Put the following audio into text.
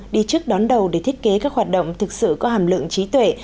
đi trước đón đầu để thiết kế các hoạt động thực sự có hàm lượng trí tuệ